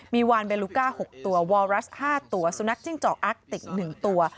มีวานเบลูก้า๖ตัววอรัส๕ตัวสุนัขจิ้งจอกอักติก๑ตัว